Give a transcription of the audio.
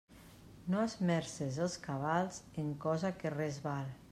No esmerces els cabals en cosa que res val.